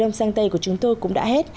chương trình sang tây của chúng tôi cũng đã hết